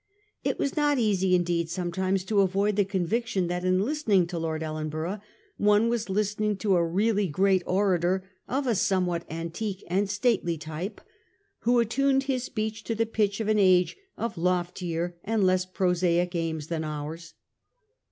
It was not easy, indeed, sometimes to avoid the conviction that in list ening to Lord Ellenborough one was listening to a really great orator of a somewhat antique and stately type, who attuned his speech to the pitch of an age of loftier and less prosaic aims than ours.